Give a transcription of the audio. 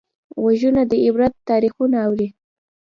غوږونه د عبرت تاریخونه اوري